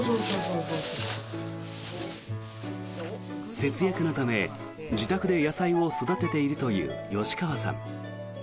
節約のため自宅で野菜を育てているという吉川さん。